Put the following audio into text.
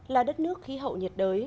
là đất nước khí hậu nhiệt đới